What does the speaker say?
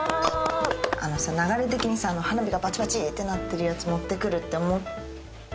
あのさ流れ的にさ花火がバチバチってなってるやつ持って来るって思った？